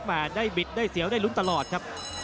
ได้บิดได้เสียวได้ลุ้นตลอดครับ